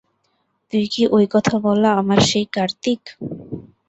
তুই কি ওই কথা বলা আমার সেই কার্তিক!